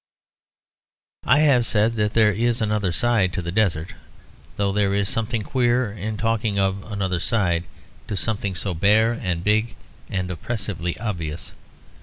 I have said that there is another side to the desert; though there is something queer in talking of another side to something so bare and big and oppressively obvious.